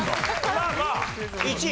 まあまあ１位。